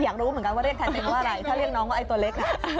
อยากรู้เหมือนกันว่าเรียกแทนเพลงว่าอะไรถ้าเรียกน้องว่าไอ้ตัวเล็ก